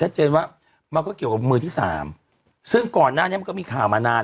เจนว่ามันก็เกี่ยวกับมือที่สามซึ่งก่อนหน้านี้มันก็มีข่าวมานาน